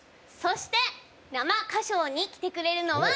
そして生歌唱に来てくれるのは？